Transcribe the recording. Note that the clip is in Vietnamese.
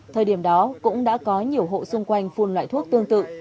thời điểm đó cũng đã có nhiều hộ xung quanh phun loại thuốc tương tự